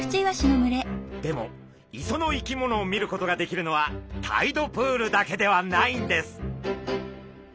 でも磯の生き物を見ることができるのはタイドプールだけではないんです！